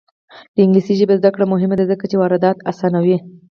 د انګلیسي ژبې زده کړه مهمه ده ځکه چې واردات اسانوي.